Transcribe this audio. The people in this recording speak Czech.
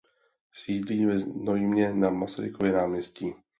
Sídlí ve Znojmě na Masarykově náměstí.